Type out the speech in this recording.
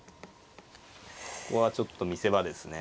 ここはちょっと見せ場ですね。